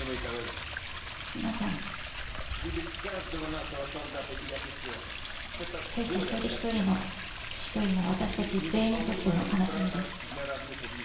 皆さん、兵士１人１人の、死は私たち全員にとっての哀しみです。